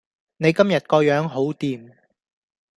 你今日個樣好掂